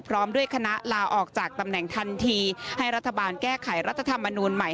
พร้อมด้วยคณะลาออกจากตำแหน่งทันทีให้รัฐบาลแก้ไขรัฐธรรมนูลใหม่